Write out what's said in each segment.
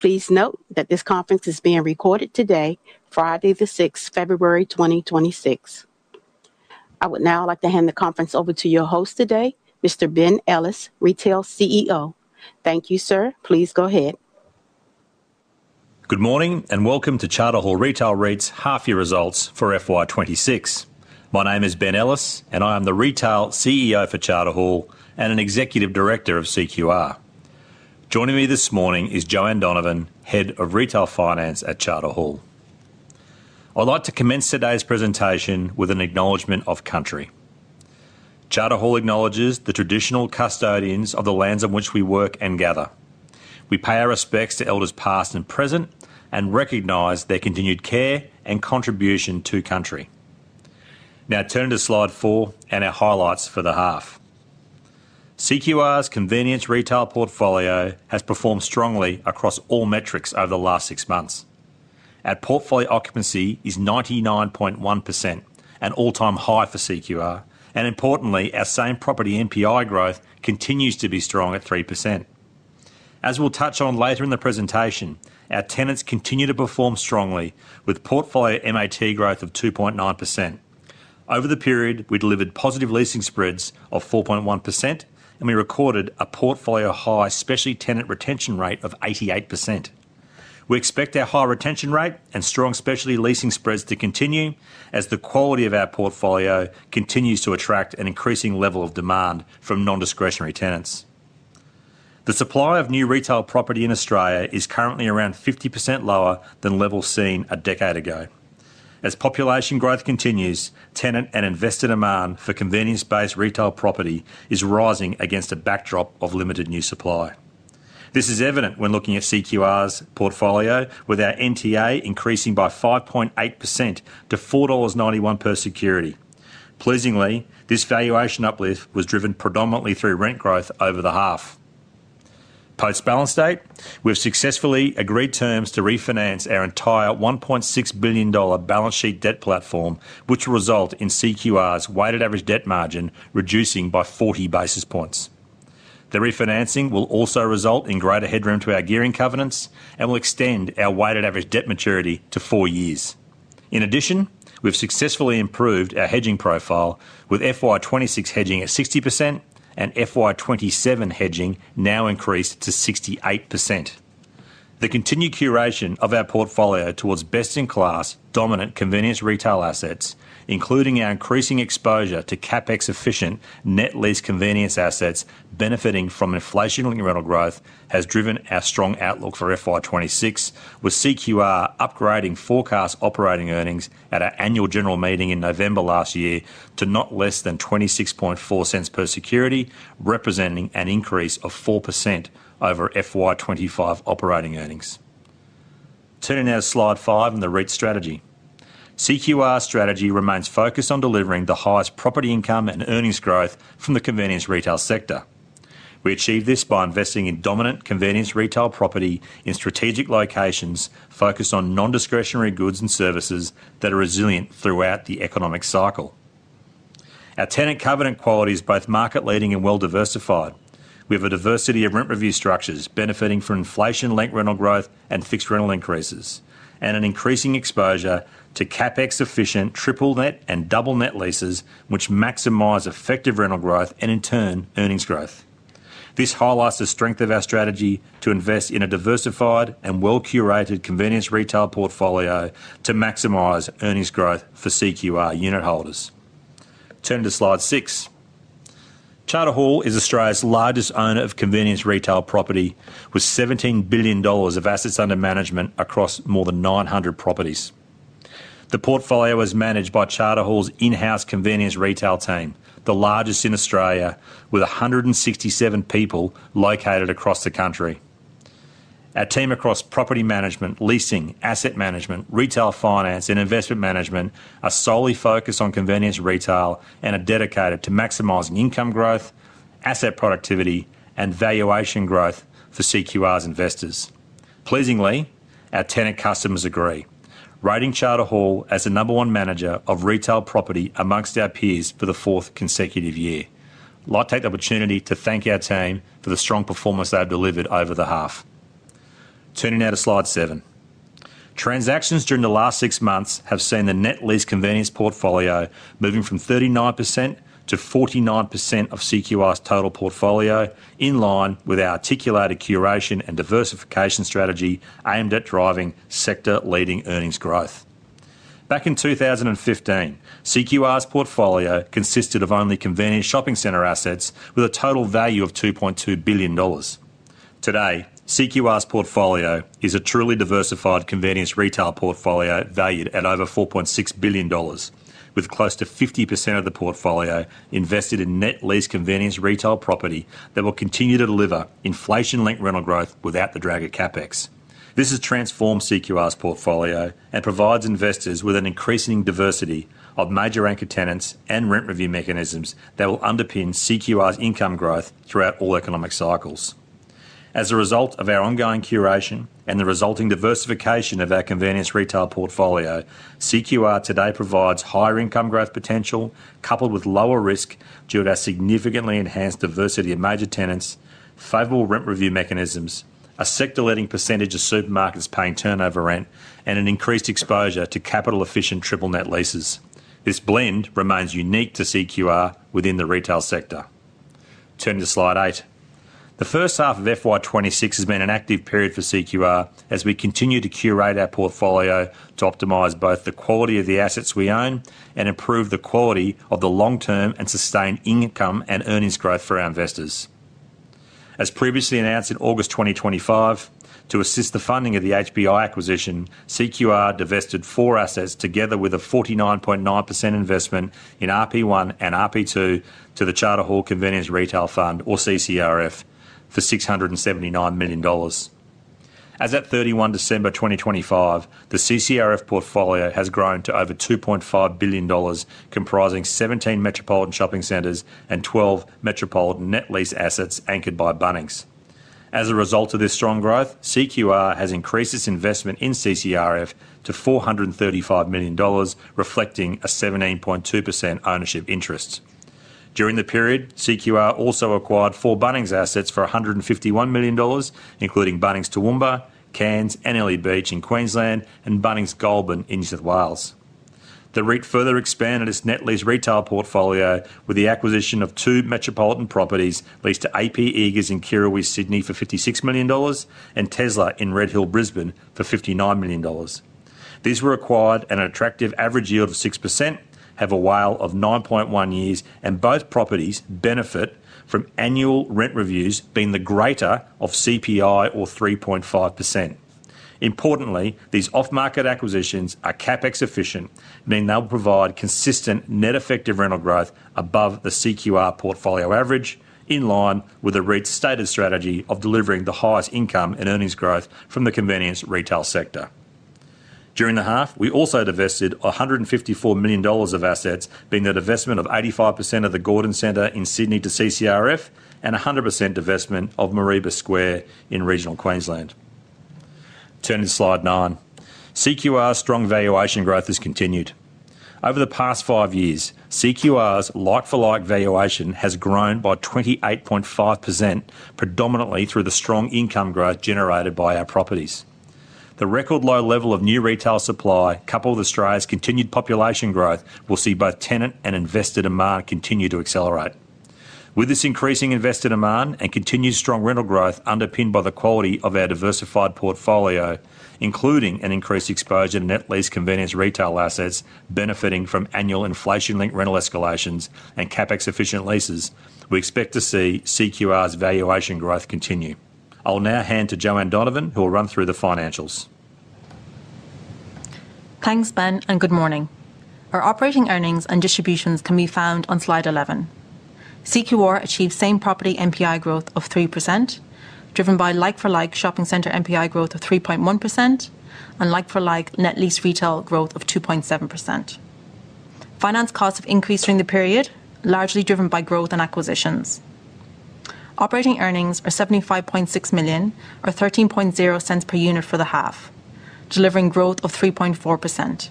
Please note that this conference is being recorded today, Friday the 6th, February 2026. I would now like to hand the conference over to your host today, Mr. Ben Ellis, Retail CEO. Thank you, sir. Please go ahead. Good morning and welcome to Charter Hall Retail REIT's half year results for FY 2026. My name is Ben Ellis, and I am the Retail CEO for Charter Hall and an Executive Director of CQR. Joining me this morning is Joanne Donovan, Head of Retail Finance at Charter Hall. I'd like to commence today's presentation with an acknowledgment of country. Charter Hall acknowledges the traditional custodians of the lands on which we work and gather. We pay our respects to elders past and present and recognize their continued care and contribution to country. Now, turn to slide four and our highlights for the half. CQR's convenience retail portfolio has performed strongly across all metrics over the last six months. Our portfolio occupancy is 99.1%, an all-time high for CQR, and importantly, our same property NPI growth continues to be strong at 3%. As we'll touch on later in the presentation, our tenants continue to perform strongly with portfolio MAT growth of 2.9%. Over the period, we delivered positive leasing spreads of 4.1%, and we recorded a portfolio high specialty tenant retention rate of 88%. We expect our high retention rate and strong specialty leasing spreads to continue as the quality of our portfolio continues to attract an increasing level of demand from non-discretionary tenants. The supply of new retail property in Australia is currently around 50% lower than levels seen a decade ago. As population growth continues, tenant and investor demand for convenience-based retail property is rising against a backdrop of limited new supply. This is evident when looking at CQR's portfolio, with our NTA increasing by 5.8% to 4.91 dollars per security. Pleasingly, this valuation uplift was driven predominantly through rent growth over the half. Post-balance date, we've successfully agreed terms to refinance our entire 1.6 billion dollar balance sheet debt platform, which will result in CQR's weighted average debt margin reducing by 40 basis points. The refinancing will also result in greater headroom to our gearing covenants and will extend our weighted average debt maturity to four years. In addition, we've successfully improved our hedging profile, with FY 2026 hedging at 60% and FY 2027 hedging now increased to 68%. The continued curation of our portfolio towards best-in-class dominant convenience retail assets, including our increasing exposure to CapEx-efficient net lease convenience assets benefiting from inflationary rental growth, has driven our strong outlook for FY 2026, with CQR upgrading forecast operating earnings at our annual general meeting in November last year to not less than 0.264 per security, representing an increase of 4% over FY 2025 operating earnings. Turning now to slide five and the REIT strategy. CQR's strategy remains focused on delivering the highest property income and earnings growth from the convenience retail sector. We achieve this by investing in dominant convenience retail property in strategic locations focused on non-discretionary goods and services that are resilient throughout the economic cycle. Our tenant covenant quality is both market-leading and well-diversified. We have a diversity of rent review structures benefiting from inflation-linked rental growth and fixed rental increases, and an increasing exposure to CapEx-efficient triple net and double net leases, which maximize effective rental growth and, in turn, earnings growth. This highlights the strength of our strategy to invest in a diversified and well-curated convenience retail portfolio to maximize earnings growth for CQR unit holders. Turning to slide six. Charter Hall is Australia's largest owner of convenience retail property, with 17 billion dollars of assets under management across more than 900 properties. The portfolio is managed by Charter Hall's in-house convenience retail team, the largest in Australia, with 167 people located across the country. Our team across property management, leasing, asset management, retail finance, and investment management are solely focused on convenience retail and are dedicated to maximizing income growth, asset productivity, and valuation growth for CQR's investors. Pleasingly, our tenant customers agree, rating Charter Hall as the number one manager of retail property among our peers for the fourth consecutive year. I'd like to take the opportunity to thank our team for the strong performance they've delivered over the half. Turning now to slide seven. Transactions during the last six months have seen the net lease convenience portfolio moving from 39%-49% of CQR's total portfolio, in line with our articulated curation and diversification strategy aimed at driving sector-leading earnings growth. Back in 2015, CQR's portfolio consisted of only convenience shopping center assets, with a total value of 2.2 billion dollars. Today, CQR's portfolio is a truly diversified convenience retail portfolio valued at over 4.6 billion dollars, with close to 50% of the portfolio invested in net lease convenience retail property that will continue to deliver inflation-linked rental growth without the drag of CapEx. This has transformed CQR's portfolio and provides investors with an increasing diversity of major anchor tenants and rent review mechanisms that will underpin CQR's income growth throughout all economic cycles. As a result of our ongoing curation and the resulting diversification of our convenience retail portfolio, CQR today provides higher income growth potential coupled with lower risk due to our significantly enhanced diversity of major tenants, favorable rent review mechanisms, a sector-leading percentage of supermarkets paying turnover rent, and an increased exposure to capital-efficient triple net leases. This blend remains unique to CQR within the retail sector. Turning to slide eight. The first half of FY 2026 has been an active period for CQR, as we continue to curate our portfolio to optimize both the quality of the assets we own and improve the quality of the long-term and sustained income and earnings growth for our investors. As previously announced in August 2025, to assist the funding of the HPI acquisition, CQR divested four assets together with a 49.9% investment in RP1 and RP2 to the Charter Hall Convenience Retail Fund, or CCRF, for 679 million dollars. As of 31 December 2025, the CCRF portfolio has grown to over 2.5 billion dollars, comprising 17 metropolitan shopping centers and 12 metropolitan net lease assets anchored by Bunnings. As a result of this strong growth, CQR has increased its investment in CCRF to 435 million dollars, reflecting a 17.2% ownership interest. During the period, CQR also acquired four Bunnings assets for 151 million dollars, including Bunnings Toowoomba, Cairns, Airlie Beach in Queensland, and Bunnings Goulburn in New South Wales. The REIT further expanded its net lease retail portfolio with the acquisition of two metropolitan properties leased to AP Eagers in Kirrawee, Sydney for AUD 56 million and Tesla in Red Hill, Brisbane for AUD 59 million. These were acquired at an attractive average yield of 6%, have a WALE of 9.1 years, and both properties benefit from annual rent reviews being the greater of CPI, or 3.5%. Importantly, these off-market acquisitions are CapEx-efficient, meaning they will provide consistent net effective rental growth above the CQR portfolio average, in line with the REIT's stated strategy of delivering the highest income and earnings growth from the convenience retail sector. During the half, we also divested 154 million dollars of assets, being the divestment of 85% of the Gordon Centre in Sydney to CCRF and 100% divestment of Mareeba Square in regional Queensland. Turning to slide nine. CQR's strong valuation growth has continued. Over the past five years, CQR's like-for-like valuation has grown by 28.5%, predominantly through the strong income growth generated by our properties. The record low level of new retail supply coupled with Australia's continued population growth will see both tenant and investor demand continue to accelerate. With this increasing investor demand and continued strong rental growth underpinned by the quality of our diversified portfolio, including an increased exposure to net lease convenience retail assets benefiting from annual inflation-linked rental escalations and CapEx-efficient leases, we expect to see CQR's valuation growth continue. I'll now hand to Joanne Donovan, who will run through the financials. Thanks, Ben, and good morning. Our operating earnings and distributions can be found on slide 11. CQR achieved same property NPI growth of 3%, driven by like-for-like shopping center NPI growth of 3.1%, and like-for-like net lease retail growth of 2.7%. Finance costs have increased during the period, largely driven by growth and acquisitions. Operating earnings are 75.6 million, or 0.13 per unit for the half, delivering growth of 3.4%.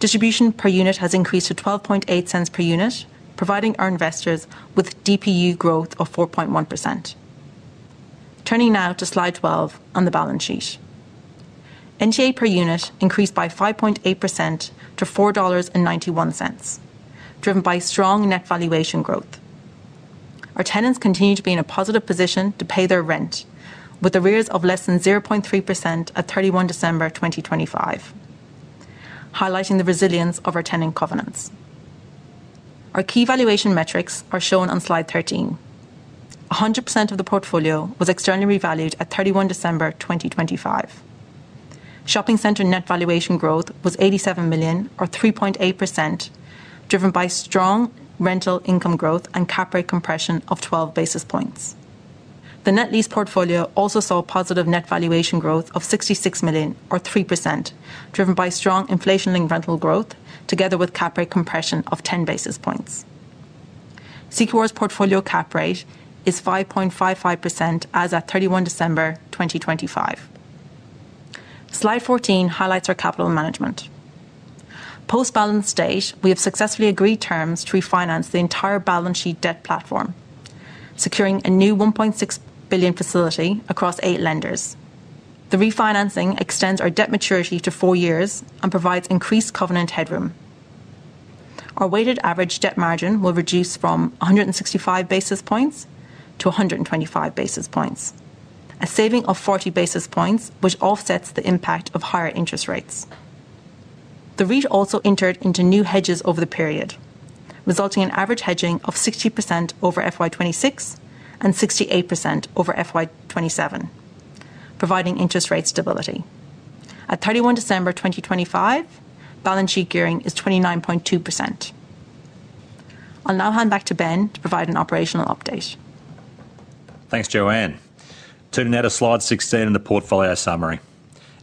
Distribution per unit has increased to 0.128 per unit, providing our investors with DPU growth of 4.1%. Turning now to slide 12 on the balance sheet. NTA per unit increased by 5.8% to 4.91 dollars, driven by strong net valuation growth. Our tenants continue to be in a positive position to pay their rent, with arrears of less than 0.3% at 31 December 2025, highlighting the resilience of our tenant covenants. Our key valuation metrics are shown on slide 13. 100% of the portfolio was externally revalued at 31 December 2025. Shopping centre net valuation growth was 87 million, or 3.8%, driven by strong rental income growth and cap rate compression of 12 basis points. The net lease portfolio also saw positive net valuation growth of 66 million, or 3%, driven by strong inflation-linked rental growth, together with cap rate compression of 10 basis points. CQR's portfolio cap rate is 5.55% as of 31 December 2025. Slide 14 highlights our capital management. Post-balance date, we have successfully agreed terms to refinance the entire balance sheet debt platform, securing a new 1.6 billion facility across eight lenders. The refinancing extends our debt maturity to four years and provides increased covenant headroom. Our weighted average debt margin will reduce from 165 basis points to 125 basis points, a saving of 40 basis points, which offsets the impact of higher interest rates. The REIT also entered into new hedges over the period, resulting in average hedging of 60% over FY 2026 and 68% over FY 2027, providing interest rate stability. At 31 December 2025, balance sheet gearing is 29.2%. I'll now hand back to Ben to provide an operational update. Thanks, Joanne. Turning now to slide 16 in the portfolio summary.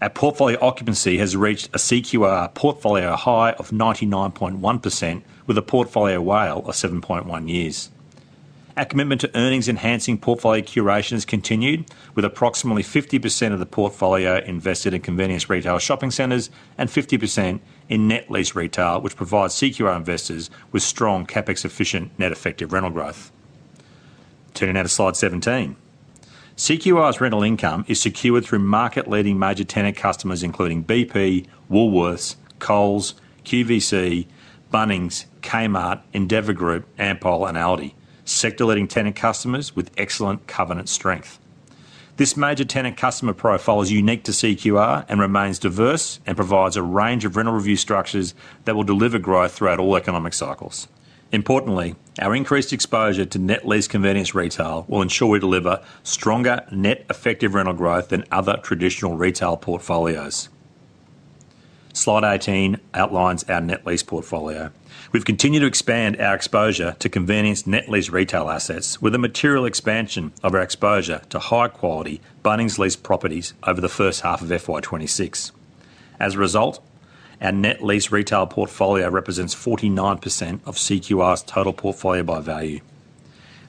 Our portfolio occupancy has reached a CQR portfolio high of 99.1%, with a portfolio WALE of 7.1 years. Our commitment to earnings-enhancing portfolio curation has continued, with approximately 50% of the portfolio invested in convenience retail shopping centers and 50% in net lease retail, which provides CQR investors with strong CapEx-efficient net effective rental growth. Turning now to slide 17. CQR's rental income is secured through market-leading major tenant customers, including BP, Woolworths, Coles, KFC, Bunnings, Kmart, Endeavour Group, Ampol, and ALDI, sector-leading tenant customers with excellent covenant strength. This major tenant customer profile is unique to CQR and remains diverse and provides a range of rental review structures that will deliver growth throughout all economic cycles. Importantly, our increased exposure to net lease convenience retail will ensure we deliver stronger net effective rental growth than other traditional retail portfolios. Slide 18 outlines our net lease portfolio. We've continued to expand our exposure to convenience net lease retail assets, with a material expansion of our exposure to high-quality Bunnings leased properties over the first half of FY 2026. As a result, our net lease retail portfolio represents 49% of CQR's total portfolio by value.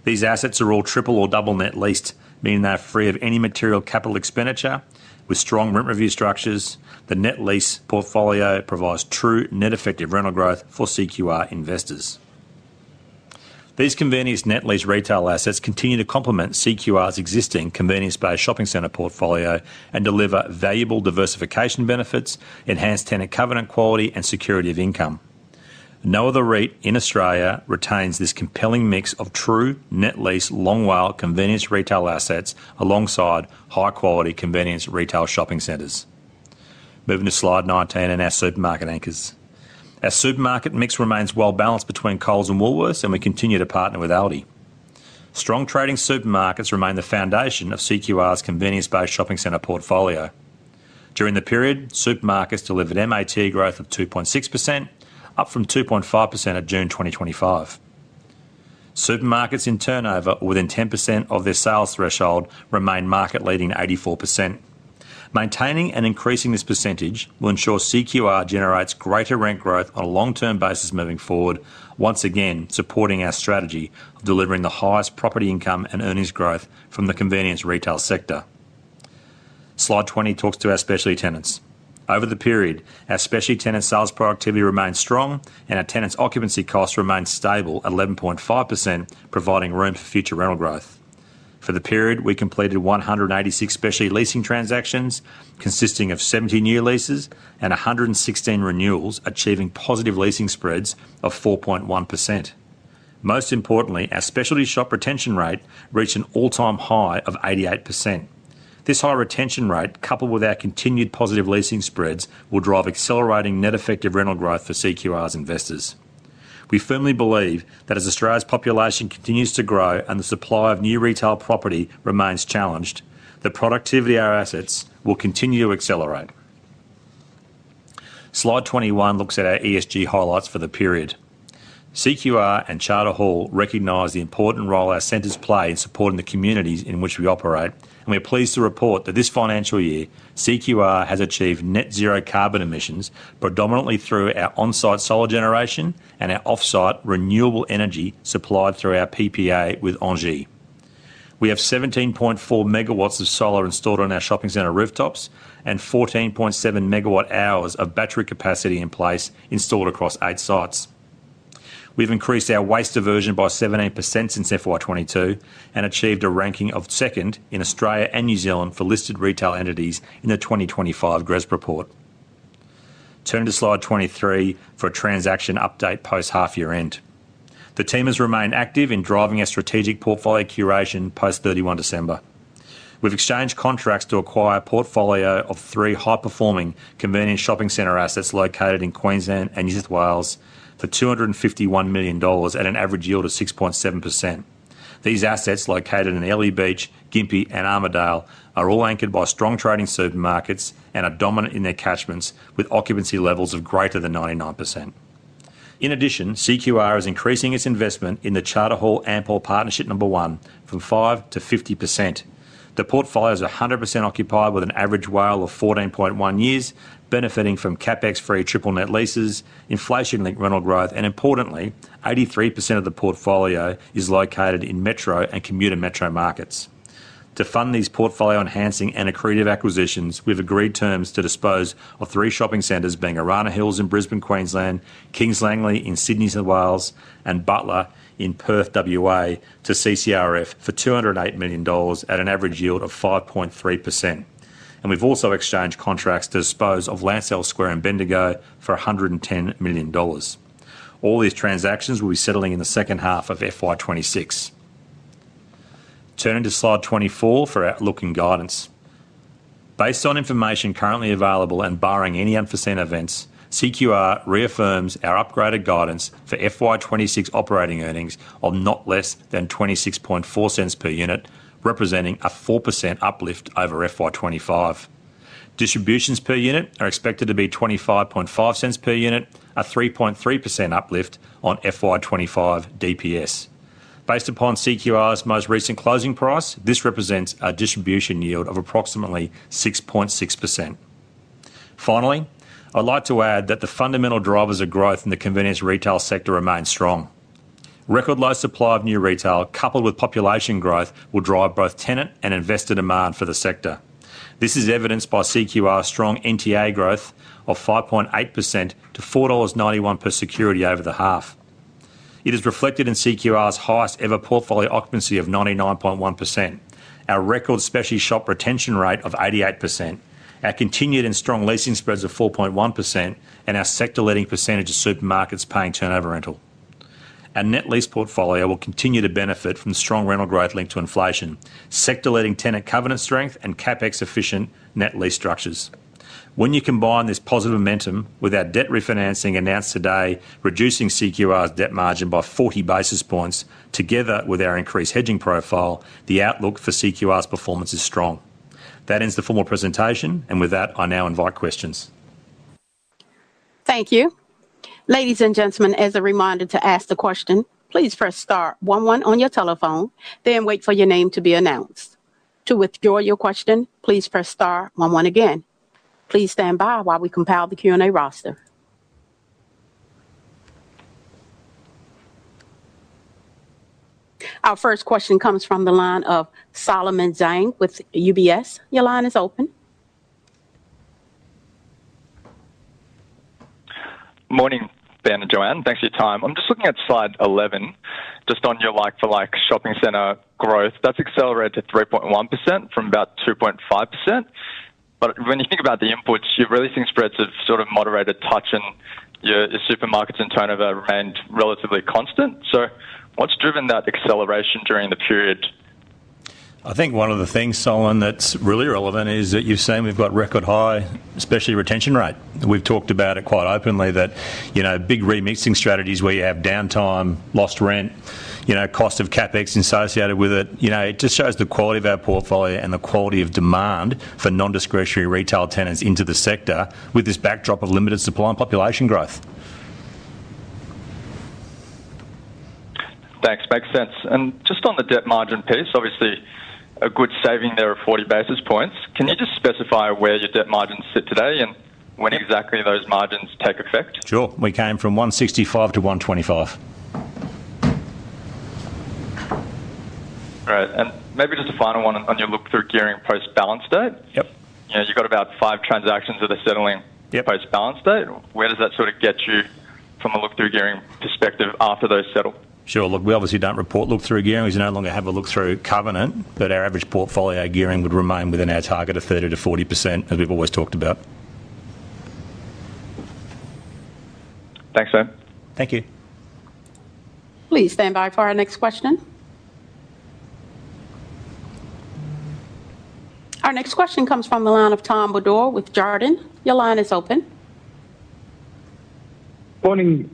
These assets are all triple or double net leased, meaning they're free of any material capital expenditure. With strong rent review structures, the net lease portfolio provides true net effective rental growth for CQR investors. These convenience net lease retail assets continue to complement CQR's existing convenience-based shopping center portfolio and deliver valuable diversification benefits, enhanced tenant covenant quality, and security of income. No other REIT in Australia retains this compelling mix of true net lease long WALE convenience retail assets alongside high-quality convenience retail shopping centers. Moving to slide 19 and our supermarket anchors. Our supermarket mix remains well-balanced between Coles and Woolworths, and we continue to partner with ALDI. Strong trading supermarkets remain the foundation of CQR's convenience-based shopping center portfolio. During the period, supermarkets delivered MAT growth of 2.6%, up from 2.5% at June 2025. Supermarkets in turnover, within 10% of their sales threshold, remain market-leading 84%. Maintaining and increasing this percentage will ensure CQR generates greater rent growth on a long-term basis moving forward, once again supporting our strategy of delivering the highest property income and earnings growth from the convenience retail sector. Slide 20 talks to our specialty tenants. Over the period, our specialty tenant sales productivity remained strong, and our tenants' occupancy costs remained stable at 11.5%, providing room for future rental growth. For the period, we completed 186 specialty leasing transactions, consisting of 70 new leases and 116 renewals, achieving positive leasing spreads of 4.1%. Most importantly, our specialty shop retention rate reached an all-time high of 88%. This high retention rate, coupled with our continued positive leasing spreads, will drive accelerating net effective rental growth for CQR's investors. We firmly believe that as Australia's population continues to grow and the supply of new retail property remains challenged, the productivity of our assets will continue to accelerate. Slide 21 looks at our ESG highlights for the period. CQR and Charter Hall recognize the important role our centers play in supporting the communities in which we operate, and we're pleased to report that this financial year, CQR has achieved net-zero carbon emissions, predominantly through our on-site solar generation and our off-site renewable energy supplied through our PPA with Engie. We have 17.4 MW of solar installed on our shopping center rooftops and 14.7 MWh of battery capacity in place installed across eight sites. We've increased our waste diversion by 17% since FY 2022 and achieved a ranking of second in Australia and New Zealand for listed retail entities in the 2025 GRESB report. Turning to slide 23 for a transaction update post-half-year end. The team has remained active in driving our strategic portfolio curation post-31 December. We've exchanged contracts to acquire a portfolio of three high-performing convenience shopping center assets located in Queensland and New South Wales for 251 million dollars at an average yield of 6.7%. These assets, located in Airlie Beach, Gympie, and Armidale, are all anchored by strong trading supermarkets and are dominant in their catchments, with occupancy levels of greater than 99%. In addition, CQR is increasing its investment in the Charter Hall-Ampol Partnership Number One from 5% to 50%. The portfolio is 100% occupied with an average WALE of 14.1 years, benefiting from CapEx-free triple net leases, inflation-linked rental growth, and importantly, 83% of the portfolio is located in metro and commuter metro markets. To fund these portfolio-enhancing and accretive acquisitions, we've agreed terms to dispose of three shopping centers, being Arana Hills in Brisbane, Queensland, Kings Langley in Sydney, New South Wales, and Butler in Perth, WA, to CCRF for 208 million dollars at an average yield of 5.3%. We've also exchanged contracts to dispose of Lansell Square in Bendigo for 110 million dollars. All these transactions will be settling in the second half of FY 2026. Turning to slide 24 for outlook and guidance. Based on information currently available and barring any unforeseen events, CQR reaffirms our upgraded guidance for FY 2026 operating earnings of not less than 0.264 per unit, representing a 4% uplift over FY 2025. Distributions per unit are expected to be 0.255 per unit, a 3.3% uplift on FY 2025 DPS. Based upon CQR's most recent closing price, this represents a distribution yield of approximately 6.6%. Finally, I'd like to add that the fundamental drivers of growth in the convenience retail sector remain strong. Record low supply of new retail, coupled with population growth, will drive both tenant and investor demand for the sector. This is evidenced by CQR's strong NTA growth of 5.8% to 4.91 dollars per security over the half. It is reflected in CQR's highest-ever portfolio occupancy of 99.1%, our record specialty shop retention rate of 88%, our continued and strong leasing spreads of 4.1%, and our sector-leading percentage of supermarkets paying turnover rental. Our net lease portfolio will continue to benefit from strong rental growth linked to inflation, sector-leading tenant covenant strength, and CapEx-efficient net lease structures. When you combine this positive momentum with our debt refinancing announced today, reducing CQR's debt margin by 40 basis points, together with our increased hedging profile, the outlook for CQR's performance is strong. That ends the formal presentation, and with that, I now invite questions. Thank you. Ladies and gentlemen, as a reminder to ask the question, please press star one one on your telephone, then wait for your name to be announced. To withdraw your question, please press star one one again. Please stand by while we compile the Q&A roster. Our first question comes from the line of Solomon Zhang with UBS. Your line is open. Morning, Ben and Joanne. Thanks for your time. I'm just looking at slide 11, just on your like-for-like shopping center growth. That's accelerated to 3.1% from about 2.5%. But when you think about the inputs, your re-leasing spreads have sort of moderated touch, and your supermarkets in turnover remained relatively constant. So what's driven that acceleration during the period? I think one of the things, Solomon, that's really relevant is that you've seen we've got record high specialty retention rate. We've talked about it quite openly, that big remixing strategies where you have downtime, lost rent, cost of CapEx associated with it. It just shows the quality of our portfolio and the quality of demand for nondiscretionary retail tenants into the sector with this backdrop of limited supply and population growth. Thanks. Makes sense. Just on the debt margin piece, obviously, a good saving there of 40 basis points. Can you just specify where your debt margins sit today and when exactly those margins take effect? Sure. We came from 165 to 125. Right. And maybe just a final one on your look-through gearing post-balance date. You've got about five transactions that are settling post-balance date. Where does that sort of get you from a look-through gearing perspective after those settle? Sure. Look, we obviously don't report look-through gearing because you no longer have a look-through covenant, but our average portfolio gearing would remain within our target of 30%-40%, as we've always talked about. Thanks, Ben. Thank you. Please stand by for our next question. Our next question comes from the line of Tom Beadle with Jarden. Your line is open. Morning,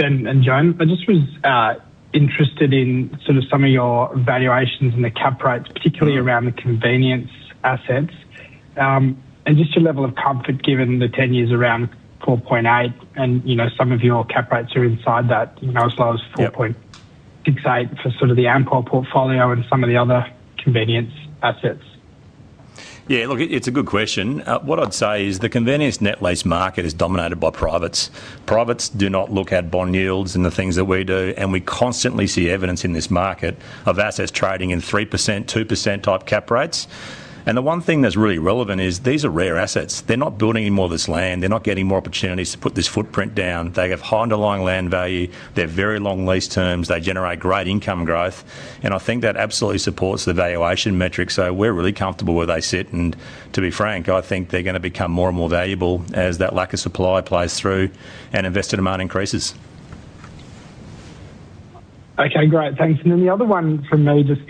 Ben and Joanne. I just was interested in sort of some of your valuations and the cap rates, particularly around the convenience assets, and just your level of comfort given the 10 years around 4.8, and some of your cap rates are inside that as low as 4.68 for sort of the Ampol portfolio and some of the other convenience assets. Yeah. Look, it's a good question. What I'd say is the convenience net lease market is dominated by privates. Privates do not look at bond yields and the things that we do, and we constantly see evidence in this market of assets trading in 3%, 2% type cap rates. The one thing that's really relevant is these are rare assets. They're not building any more of this land. They're not getting more opportunities to put this footprint down. They have high underlying land value. They have very long lease terms. They generate great income growth. I think that absolutely supports the valuation metrics. We're really comfortable where they sit. To be frank, I think they're going to become more and more valuable as that lack of supply plays through and investor demand increases. Okay. Great. Thanks. And then the other one for me just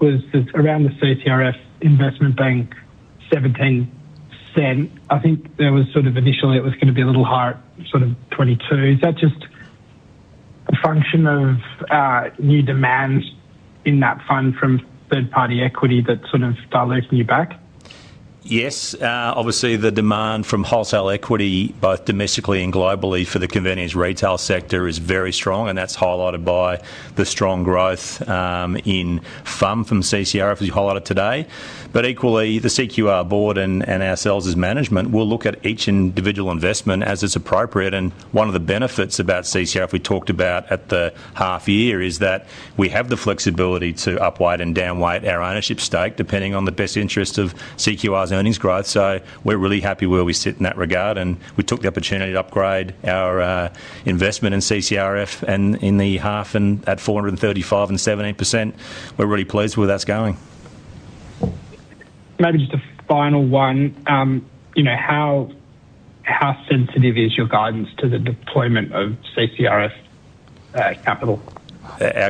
was around the CCRF investment at 0.17. I think there was sort of initially it was going to be a little higher at sort of 0.22. Is that just a function of new demand in that fund from third-party equity that sort of dilutes the NAV? Yes. Obviously, the demand from wholesale equity, both domestically and globally, for the convenience retail sector is very strong, and that's highlighted by the strong growth in fund from CCRF as you highlighted today. But equally, the CQR board and ourselves as management will look at each individual investment as it's appropriate. And one of the benefits about CCRF we talked about at the half-year is that we have the flexibility to upweight and downweight our ownership stake depending on the best interest of CQR's earnings growth. So we're really happy where we sit in that regard, and we took the opportunity to upgrade our investment in CCRF in the half at 43.5% and 17%. We're really pleased where that's going. Maybe just a final one. How sensitive is your guidance to the deployment of CCRF capital? Our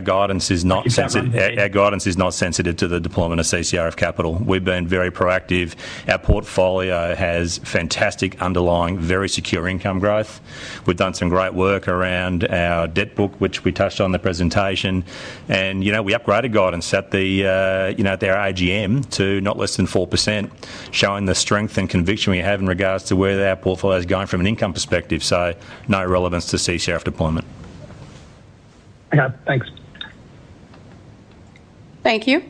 guidance is not sensitive. Our guidance is not sensitive to the deployment of CCRF capital. We've been very proactive. Our portfolio has fantastic underlying, very secure income growth. We've done some great work around our debt book, which we touched on in the presentation. We upgraded guidance at our AGM to not less than 4%, showing the strength and conviction we have in regards to where our portfolio is going from an income perspective. No relevance to CCRF deployment. Yeah. Thanks. Thank you.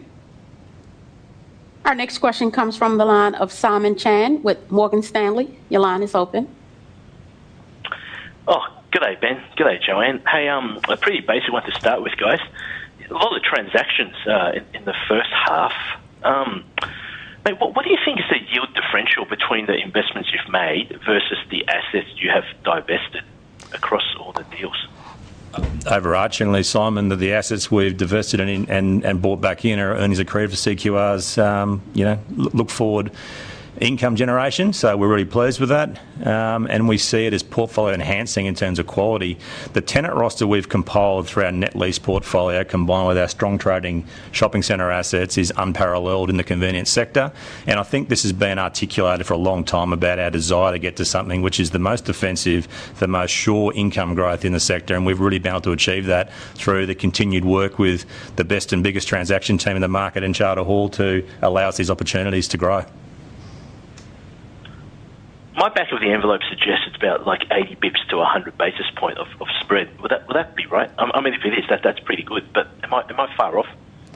Our next question comes from the line of Simon Chan with Morgan Stanley. Your line is open. Good day, Ben. Good day, Joanne. Hey, a pretty basic one to start with, guys. A lot of transactions in the first half. What do you think is the yield differential between the investments you've made versus the assets you have divested across all the deals? Overarchingly, Simon, the assets we've divested and bought back in, our earnings accrued for CQR's look-forward income generation, so we're really pleased with that. And we see it as portfolio-enhancing in terms of quality. The tenant roster we've compiled through our net lease portfolio, combined with our strong trading shopping center assets, is unparalleled in the convenience sector. And I think this has been articulated for a long time about our desire to get to something which is the most offensive, the most sure income growth in the sector. And we've really been able to achieve that through the continued work with the best and biggest transaction team in the market in Charter Hall to allow us these opportunities to grow. My back-of-the-envelope suggests it's about 80-100 basis points of spread. Would that be right? I mean, if it is, that's pretty good. But am I far off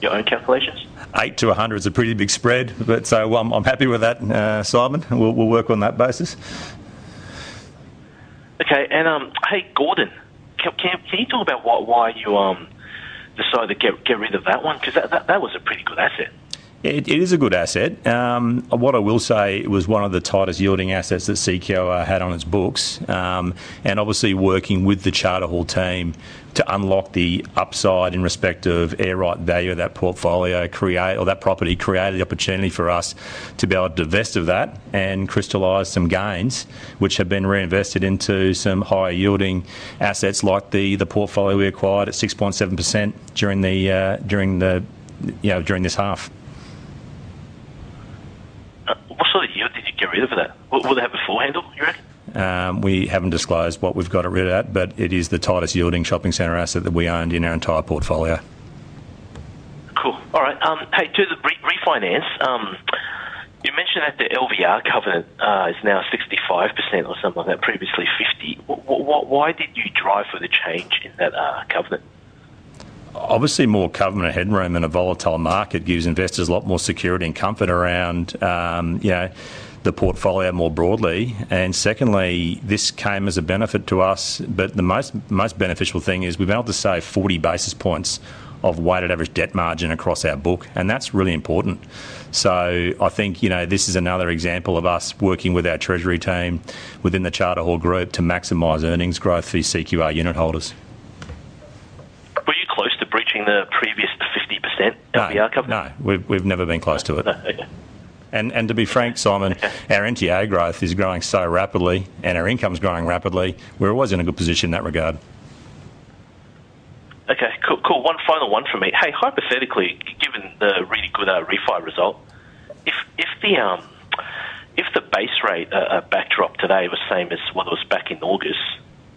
your own calculations? 80-100 is a pretty big spread. So I'm happy with that, Simon. We'll work on that basis. Okay. Hey, regarding Gordon, can you talk about why you decided to get rid of that one? Because that was a pretty good asset. Yeah. It is a good asset. What I will say, it was one of the tightest yielding assets that CQR had on its books. Obviously, working with the Charter Hall team to unlock the upside in respect of air rights value of that property created the opportunity for us to be able to divest of that and crystallize some gains, which have been reinvested into some higher yielding assets like the portfolio we acquired at 6.7% during this half. What sort of yield did you get rid of there? Will it have a forehandle, you reckon? We haven't disclosed what we've got rid of, but it is the tightest yielding shopping center asset that we owned in our entire portfolio. Cool. All right. Hey, to the refinance, you mentioned that the LVR covenant is now 65% or something like that, previously 50%. Why did you drive for the change in that covenant? Obviously, more covenant headroom in a volatile market gives investors a lot more security and comfort around the portfolio more broadly. And secondly, this came as a benefit to us. But the most beneficial thing is we've been able to save 40 basis points of weighted average debt margin across our book, and that's really important. So I think this is another example of us working with our treasury team within the Charter Hall group to maximize earnings growth for CQR unit holders. Were you close to breaching the previous 50% LVR covenant? No. No. We've never been close to it. To be frank, Simon, our NTA growth is growing so rapidly, and our income's growing rapidly, we're always in a good position in that regard. Okay. Cool. One final one for me. Hey, hypothetically, given the really good refi result, if the base rate backdrop today was the same as what it was back in August,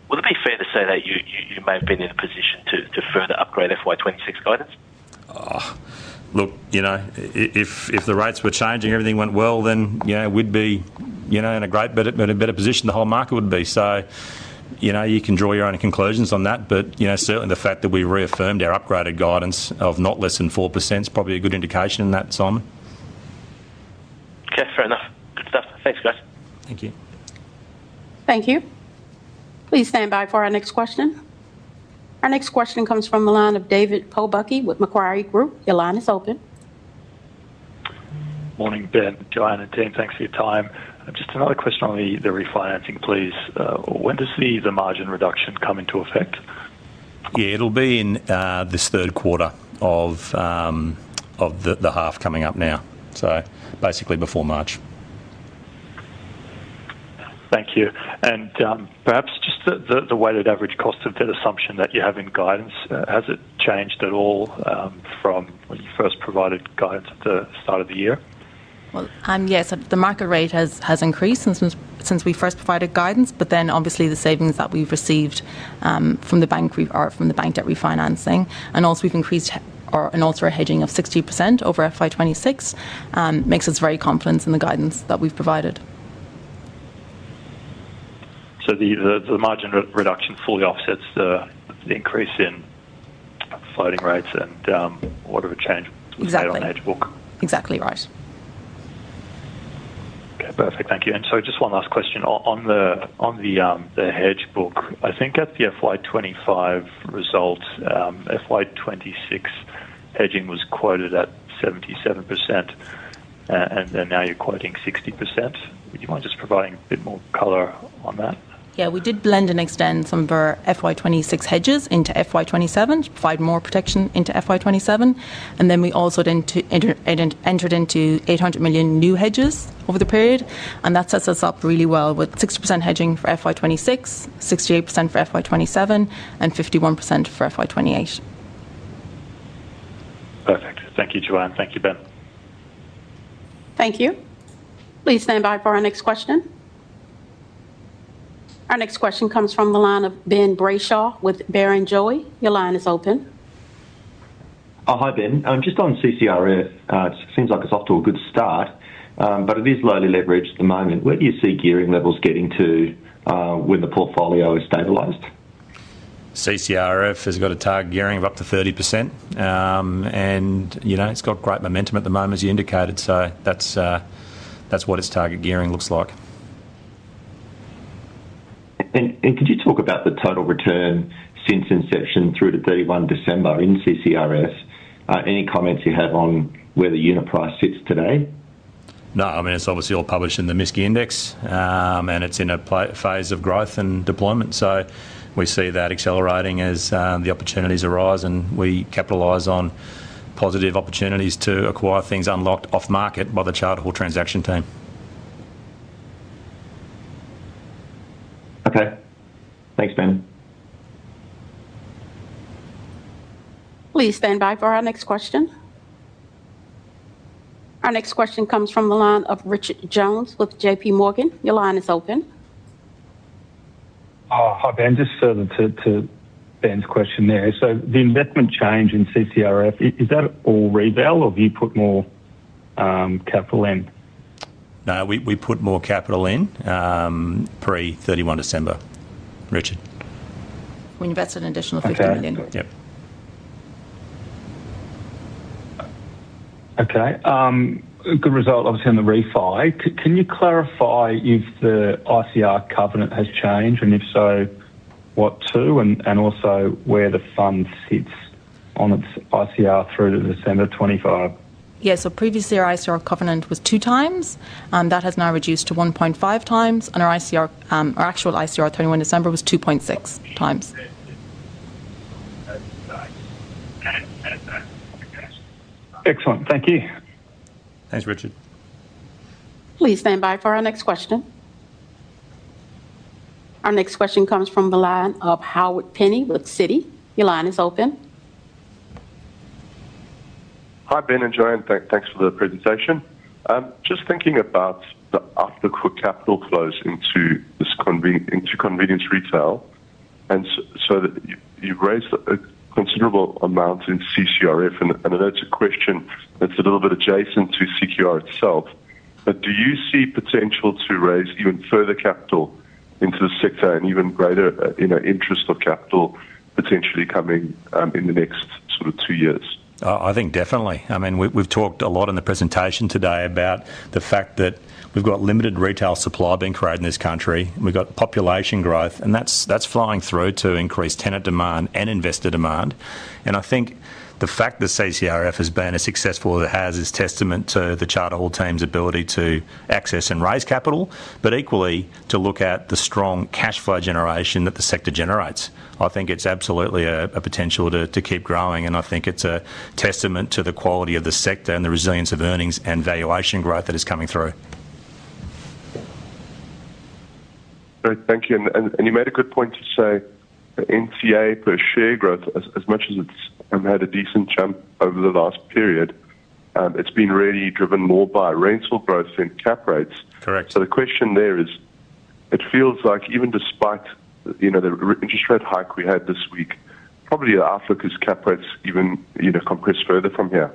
would it be fair to say that you may have been in a position to further upgrade FY 2026 guidance? Look, if the rates were changing, everything went well, then we'd be in a great better position. The whole market would be. So you can draw your own conclusions on that. But certainly, the fact that we reaffirmed our upgraded guidance of not less than 4% is probably a good indication in that, Simon. Okay. Fair enough. Good stuff. Thanks, guys. Thank you. Thank you. Please stand by for our next question. Our next question comes from the line of David Pobucky with Macquarie Group. Your line is open. Morning, Ben, Joanne, and team. Thanks for your time. Just another question on the refinancing, please. When does the margin reduction come into effect? Yeah. It'll be in this third quarter of the half coming up now, so basically before March. Thank you. Perhaps just the weighted average cost of debt assumption that you have in guidance, has it changed at all from when you first provided guidance at the start of the year? Well, yes. The market rate has increased since we first provided guidance, but then obviously, the savings that we've received from the bank debt refinancing, and also we've increased additional hedging of 60% over FY 2026, makes us very confident in the guidance that we've provided. So the margin reduction fully offsets the increase in floating rates, and whatever change was made on the hedge book. Exactly. Exactly right. Okay. Perfect. Thank you. And so just one last question. On the hedge book, I think at the FY 2025 result, FY 2026 hedging was quoted at 77%, and then now you're quoting 60%. Would you mind just providing a bit more color on that? Yeah. We did blend and extend some of our FY 2026 hedges into FY 2027 to provide more protection into FY 2027. And then we also entered into 800 million new hedges over the period, and that sets us up really well with 60% hedging for FY 2026, 68% for FY 2027, and 51% for FY 2028. Perfect. Thank you, Joanne. Thank you, Ben. Thank you. Please stand by for our next question. Our next question comes from the line of Ben Brayshaw with Barrenjoey. Your line is open. Hi, Ben. Just on CCRF, it seems like it's off to a good start, but it is lowly leveraged at the moment. Where do you see gearing levels getting to when the portfolio is stabilized? CCRF has got a target gearing of up to 30%, and it's got great momentum at the moment, as you indicated. So that's what its target gearing looks like. Could you talk about the total return since inception through to 31 December in CCRF? Any comments you have on where the unit price sits today? No. I mean, it's obviously all published in the MSCI index, and it's in a phase of growth and deployment. So we see that accelerating as the opportunities arise, and we capitalize on positive opportunities to acquire things unlocked off-market by the Charter Hall transaction team. Okay. Thanks, Ben. Please stand by for our next question. Our next question comes from the line of Richard Jones with JP Morgan. Your line is open. Hi, Ben. Just further to Ben's question there. So the investment change in CCRF, is that all reval, or have you put more capital in? No. We put more capital in pre-31 December. Richard? We invested an additional 50 million. Okay. Cool. Yep. Okay. Good result, obviously, on the refi. Can you clarify if the ICR covenant has changed, and if so, what to, and also where the fund sits on its ICR through to December 25? Yeah. Previously, our ICR covenant was two times. That has now reduced to 1.5 times, and our actual ICR on 31 December was 2.6 times. Excellent. Thank you. Thanks, Richard. Please stand by for our next question. Our next question comes from the line of Howard Penny with Citi. Your line is open. Hi, Ben and Joanne. Thanks for the presentation. Just thinking about the attractive capital flows into convenience retail, and so you've raised a considerable amount in CCRF, and that's a question that's a little bit adjacent to CQR itself. But do you see potential to raise even further capital into the sector and even greater interest of capital potentially coming in the next sort of two years? I think definitely. I mean, we've talked a lot in the presentation today about the fact that we've got limited retail supply being created in this country. We've got population growth, and that's flying through to increase tenant demand and investor demand. I think the fact that CCRF has been as successful as it has is testament to the Charter Hall team's ability to access and raise capital, but equally, to look at the strong cash flow generation that the sector generates. I think it's absolutely a potential to keep growing, and I think it's a testament to the quality of the sector and the resilience of earnings and valuation growth that is coming through. Great. Thank you. And you made a good point to say NTA per share growth, as much as it's had a decent jump over the last period, it's been really driven more by rental growth than cap rates. So the question there is, it feels like even despite the interest rate hike we had this week, probably outlook is cap rates even compressed further from here.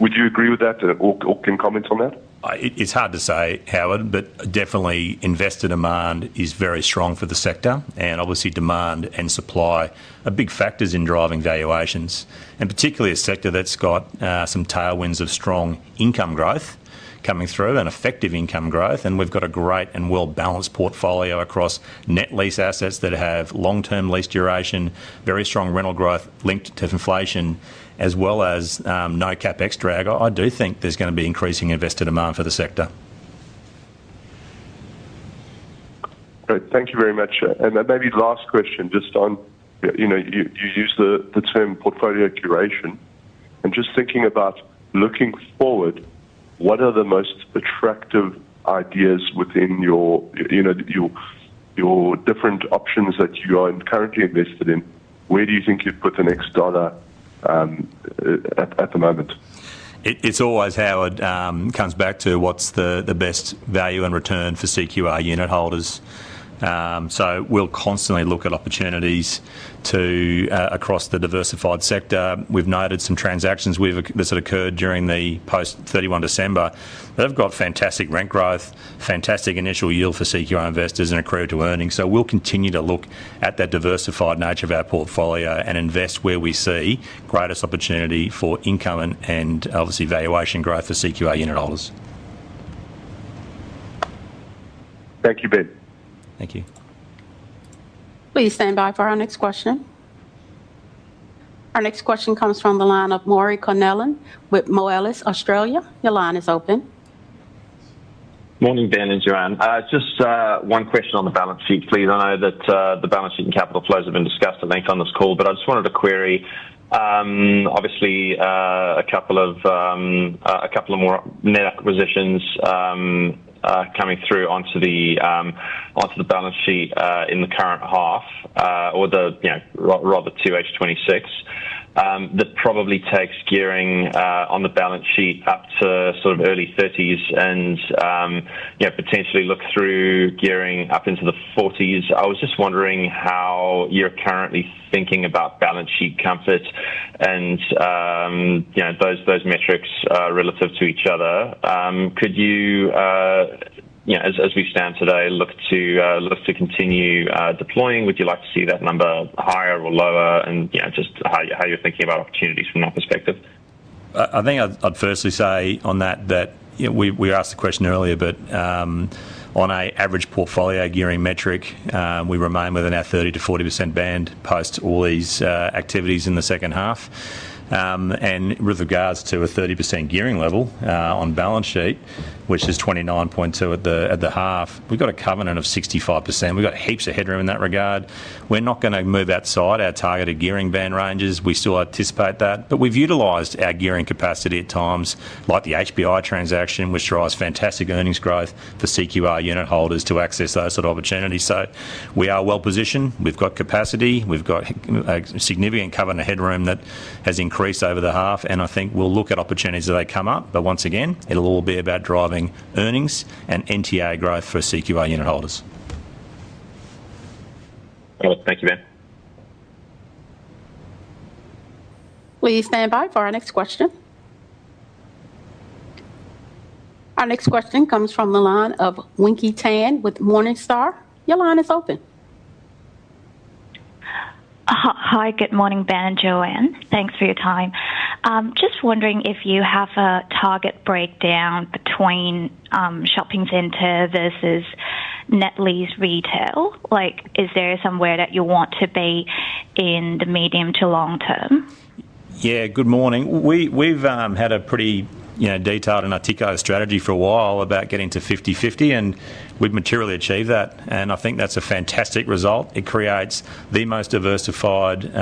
Would you agree with that, or can you comment on that? It's hard to say, Howard, but definitely, investor demand is very strong for the sector, and obviously, demand and supply are big factors in driving valuations, and particularly a sector that's got some tailwinds of strong income growth coming through and effective income growth. We've got a great and well-balanced portfolio across net lease assets that have long-term lease duration, very strong rental growth linked to inflation, as well as no CapEx exposure. I do think there's going to be increasing investor demand for the sector. Great. Thank you very much. Maybe last question, just on you used the term portfolio curation. Just thinking about looking forward, what are the most attractive ideas within your different options that you own currently invested in? Where do you think you'd put the next dollar at the moment? It's always, Howard, comes back to what's the best value and return for CQR unit holders. So we'll constantly look at opportunities across the diversified sector. We've noted some transactions that occurred during the post-31 December that have got fantastic rent growth, fantastic initial yield for CQR investors, and accrued to earnings. So we'll continue to look at that diversified nature of our portfolio and invest where we see greatest opportunity for income and, obviously, valuation growth for CQR unit holders. Thank you, Ben. Thank you. Please stand by for our next question. Our next question comes from the line of Murray Connellan with Moelis Australia. Your line is open. Morning, Ben and Joanne. Just one question on the balance sheet, please. I know that the balance sheet and capital flows have been discussed at length on this call, but I just wanted to query. Obviously, a couple of more net acquisitions coming through onto the balance sheet in the current half, or rather, 2H26, that probably takes gearing on the balance sheet up to sort of early 30s and potentially look through gearing up into the 40s. I was just wondering how you're currently thinking about balance sheet comfort and those metrics relative to each other. Could you, as we stand today, look to continue deploying? Would you like to see that number higher or lower, and just how you're thinking about opportunities from that perspective? I think I'd firstly say on that that we asked the question earlier, but on an average portfolio gearing metric, we remain within our 30%-40% band post all these activities in the second half. And with regards to a 30% gearing level on balance sheet, which is 29.2 at the half, we've got a covenant of 65%. We've got heaps of headroom in that regard. We're not going to move outside our targeted gearing band ranges. We still anticipate that. But we've utilised our gearing capacity at times, like the HPI transaction, which drives fantastic earnings growth for CQR unit holders to access those sort of opportunities. So we are well-positioned. We've got capacity. We've got significant covenant headroom that has increased over the half. And I think we'll look at opportunities as they come up. But once again, it'll all be about driving earnings and NTA growth for CQR unit holders. Thank you, Ben. Please stand by for our next question. Our next question comes from the line of Winky Tan with Morningstar. Your line is open. Hi. Good morning, Ben and Joanne. Thanks for your time. Just wondering if you have a target breakdown between shopping centre versus net lease retail. Is there somewhere that you want to be in the medium to long term? Yeah. Good morning. We've had a pretty detailed and articulated strategy for a while about getting to 50/50, and we've materially achieved that. And I think that's a fantastic result. It creates the most diversified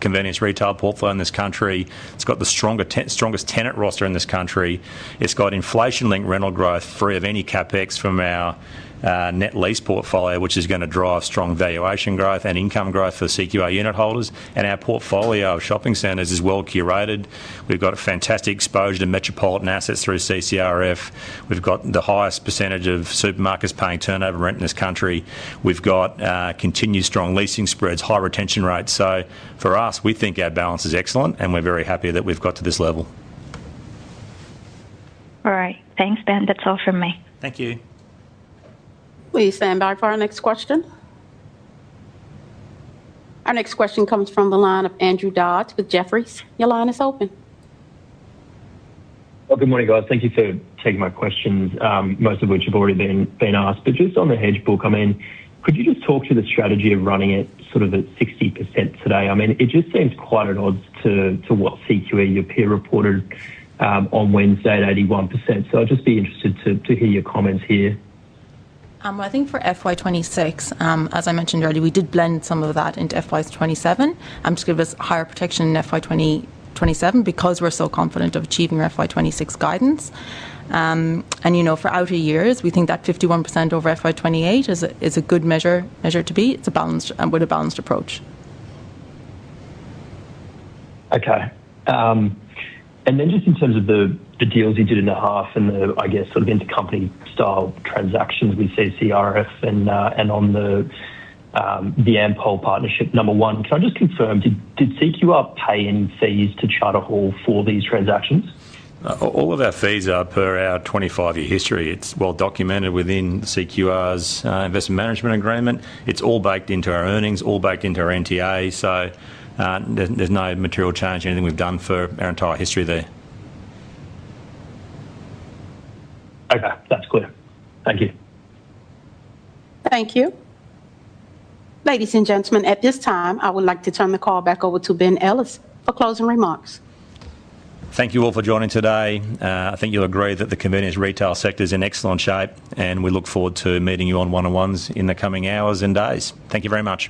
convenience retail portfolio in this country. It's got the strongest tenant roster in this country. It's got inflation-linked rental growth free of any CapEx from our net lease portfolio, which is going to drive strong valuation growth and income growth for CQR unit holders. And our portfolio of shopping centers is well-curated. We've got fantastic exposure to metropolitan assets through CCRF. We've got the highest percentage of supermarkets paying turnover rent in this country. We've got continued strong leasing spreads, high retention rates. So for us, we think our balance is excellent, and we're very happy that we've got to this level. All right. Thanks, Ben. That's all from me. Thank you. Please stand by for our next question. Our next question comes from the line of Andrew Dodds with Jefferies. Your line is open. Well, good morning, guys. Thank you for taking my questions, most of which have already been asked. But just on the hedge book, I mean, could you just talk to the strategy of running it sort of at 60% today? I mean, it just seems quite at odds to what CQE, your peer, reported on Wednesday, at 81%. So I'd just be interested to hear your comments here. I think for FY 2026, as I mentioned already, we did blend some of that into FY 2027 to give us higher protection in FY 2027 because we're so confident of achieving our FY 2026 guidance. For outer years, we think that 51% over FY 2028 is a good measure to be. It's with a balanced approach. Okay. And then just in terms of the deals you did in the half and the, I guess, sort of intercompany-style transactions with CCRF and on the Ampol partnership, number one, can I just confirm, did CQR pay any fees to Charter Hall for these transactions? All of our fees are per our 25-year history. It's well-documented within CQR's investment management agreement. It's all baked into our earnings, all baked into our NTA. So there's no material change, anything we've done for our entire history there. Okay. That's clear. Thank you. Thank you. Ladies and gentlemen, at this time, I would like to turn the call back over to Ben Ellis for closing remarks. Thank you all for joining today. I think you'll agree that the convenience retail sector's in excellent shape, and we look forward to meeting you on one-on-ones in the coming hours and days. Thank you very much.